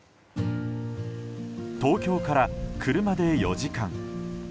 東京から車で４時間。